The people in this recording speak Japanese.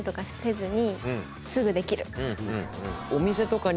すぐできる。